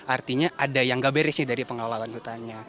artinya ada yang nggak beresnya dari pengelolaan hutannya